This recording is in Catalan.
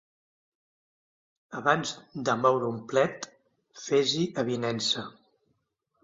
Abans de moure un plet, fes-hi avinença.